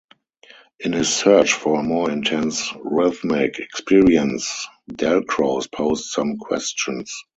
In his search for a more intense rhythmic experience, Dalcroze posed some questions.